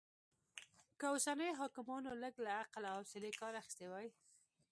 که اوسنيو حاکمانو لږ له عقل او حوصلې کار اخيستی وای